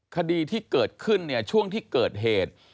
คดีที่เกิดขึ้นเนี่ยช่วงที่เกิดเหตุ